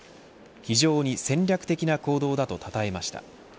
非常に戦略的な行動だとたたえました。